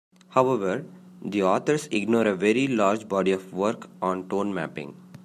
However, the authors ignore a very large body of work on tone mapping.